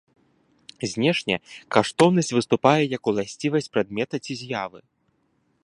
Знешне каштоўнасць выступае як уласцівасць прадмета ці з'явы.